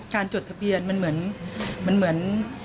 จดทะเบียนมันเหมือน